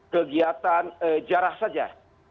kegiatan jarah saja